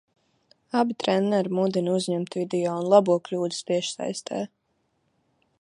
Abi treneri mudina uzņemt video un labo kļūdas tiešsaistē.